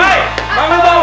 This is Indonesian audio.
bangun bangun bangun